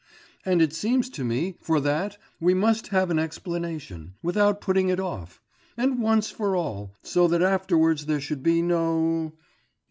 and it seems to me for that we must have an explanation, without putting it off, and once for all, so that afterwards there should be no